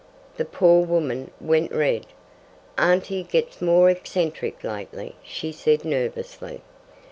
The poor woman went red. "Auntie gets more eccentric lately," she said nervously.